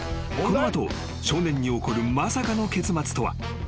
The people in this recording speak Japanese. ［この後少年に起こるまさかの結末とは？］